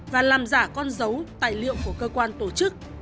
và làm giả con dấu tài liệu của cơ quan tổ chức